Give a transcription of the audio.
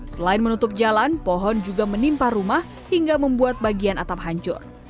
selain menutup jalan pohon juga menimpa rumah hingga membuat bagian atap hancur